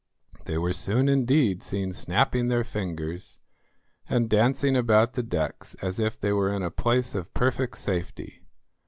They were soon indeed seen snapping their fingers, and dancing about the decks as if they were in a place of perfect safety.